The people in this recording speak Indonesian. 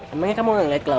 emangnya kamu enggak liat klau